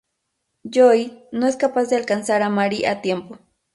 Lloyd no es capaz de alcanzar a Mary a tiempo.